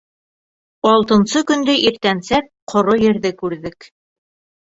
Алтынсы көндө иртәнсәк ҡоро ерҙе күрҙек.